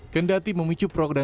kendati memicu prog dan perpu